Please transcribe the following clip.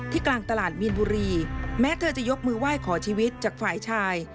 กลางตลาดมีนบุรีแม้เธอจะยกมือไหว้ขอชีวิตจากฝ่ายชาย